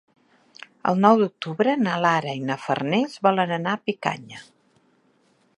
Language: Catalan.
El nou d'octubre na Lara i na Farners volen anar a Picanya.